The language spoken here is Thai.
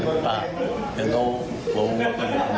เกลี้ยทำไมครับหายท้องอ๋อเขาหยิบท้องเข้าลงน้ำอ่ะ